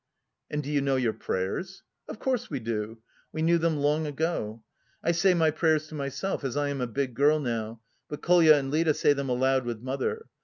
"And do you know your prayers?" "Of course, we do! We knew them long ago. I say my prayers to myself as I am a big girl now, but Kolya and Lida say them aloud with mother.